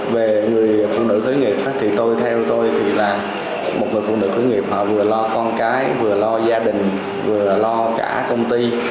về người phụ nữ khởi nghiệp thì tôi theo tôi thì là một người phụ nữ khởi nghiệp họ vừa lo con cái vừa lo gia đình vừa là lo cả công ty